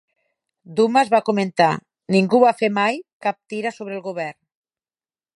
Dumas va comentar: "Ningú va fer mai cap tira sobre el govern".